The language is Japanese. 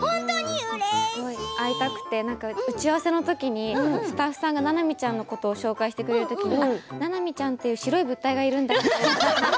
会いたくて打ち合わせの時にスタッフさんがななみちゃんを紹介してくれる時に白い物体がいるんだけどって。